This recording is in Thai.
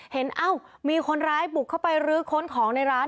เอ้ามีคนร้ายบุกเข้าไปรื้อค้นของในร้าน